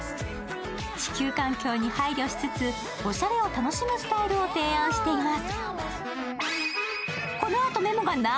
地球環境に配慮しつつおしゃれを楽しむスタイルを提案しています。